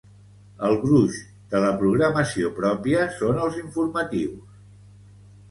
El gruix de la programació pròpia són els informatius.